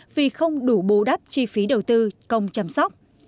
vì không đủ bù đắp chi phí đầu tư công chăm sóc